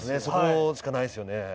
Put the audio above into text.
そこしかないですよね」